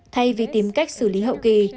thay vì tìm cách xử lý hậu kỳ